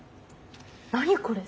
何これ！